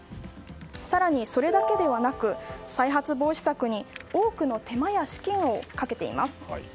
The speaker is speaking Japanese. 更に、それだけではなく再発防止策に多くの手間や資金をかけています。